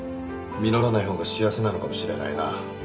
実らないほうが幸せなのかもしれないな。